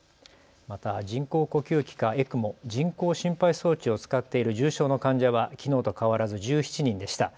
また人工呼吸器かＥＣＭＯ・人工心肺装置を使っている重症の患者はきのうと変わらず１７人でした。